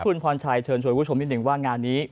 คุณพรชัยเชิญชวนคุณผู้ชมนิดนึงว่างานนี้